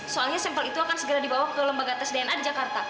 soalnya sampel itu akan segera dibawa ke lembaga tes dna di jakarta